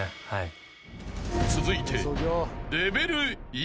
［続いて］